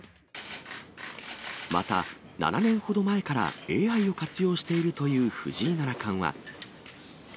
また７年ほど前からＡＩを活用しているという藤井七冠は。